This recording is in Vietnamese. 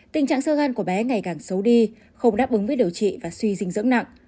tình trạng sơ gan của bé ngày càng xấu đi không đáp ứng với điều trị và suy dinh dưỡng nặng